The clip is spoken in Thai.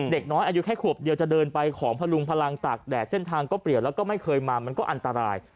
เด็กน้อยอายุแค่ขวบเดียวจะเดินไปของพลุงพลังตากแดดเส้นทางก็เปลี่ยนแล้วก็ไม่เคยมามันก็อันตราย